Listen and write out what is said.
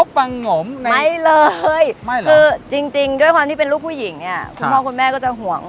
ฟังงมไหมไม่เลยไม่เลยคือจริงด้วยความที่เป็นลูกผู้หญิงเนี่ยคุณพ่อคุณแม่ก็จะห่วง